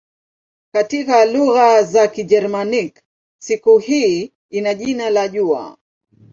Katika lugha za Kigermanik siku hii ina jina la "jua".